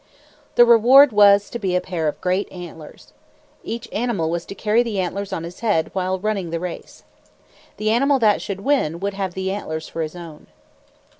The reward was to be a pair of great antlers. Each animal was to carry the antlers on his head, while running the race. The animal that should win, would have the antlers for his own.